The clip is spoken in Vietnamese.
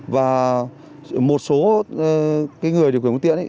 và một số cái người điều khiển phương tiện ấy